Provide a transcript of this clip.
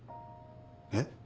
えっ？